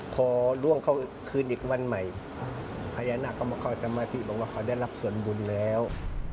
พอล่วงเขาคืนอีกวันใหม่พญานาคก็มาเข้าสมาธิบอกว่าเขาได้รับส่วนบุญแล้ว